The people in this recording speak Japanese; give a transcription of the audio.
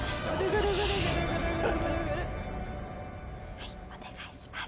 はいお願いします。